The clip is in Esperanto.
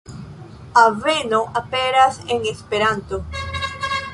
Aveno aperas en Esperanto.